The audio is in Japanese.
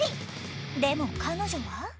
でも彼女は。